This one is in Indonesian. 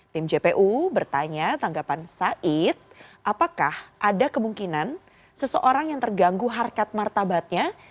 tim jpu bertanya tanggapan said apakah ada kemungkinan seseorang yang terganggu harkat martabatnya